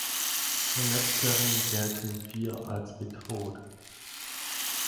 Von letzteren gelten vier als bedroht.